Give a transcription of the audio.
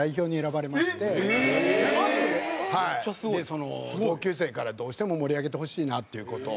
その同級生からどうしても盛り上げてほしいなっていう事を。